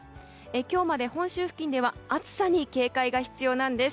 今日まで本州付近では暑さに警戒が必要なんです。